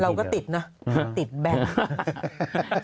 เราก็ติดนะ